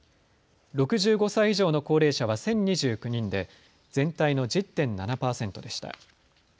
６５歳以上の高齢者は１０２９人で全体の１０．７％でした。